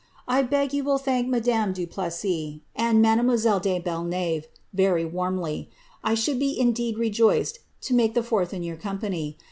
I beg ytm will thmnk madame dn Plessis and mademoiselle de Bel nave very wannly. I ahould be indeed rejoiced to make tlie fourth in your company.